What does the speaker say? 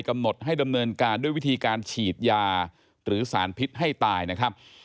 กำหนดให้ดำเนินการด้วยวิธีการฉีดยาหรือสารพิษให้ตายนะครับ